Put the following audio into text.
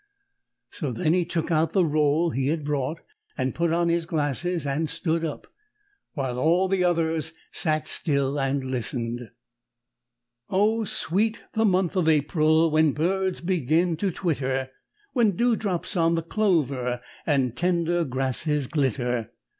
So then he took out the roll he had brought and put on his glasses and stood up, while all the others sat still and listened. Oh, sweet the month of April, When birds begin to twitter! When dewdrops on the clover And tender grasses glitter!